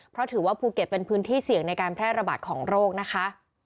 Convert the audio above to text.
เพราะถือว่าภูเก็ตเป็นพื้นที่เสี่ยงในการแพร่ระบาดของโรคนะคะ